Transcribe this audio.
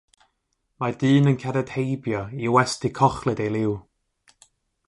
Mae dyn yn cerdded heibio i westy cochlyd ei liw.